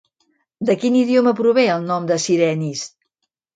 De quin idioma prové el nom de sirenis?